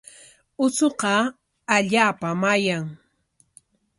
Uchuqa allaapam ayan.